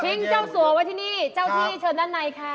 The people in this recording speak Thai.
เจ้าสัวไว้ที่นี่เจ้าที่เชิญด้านในค่ะ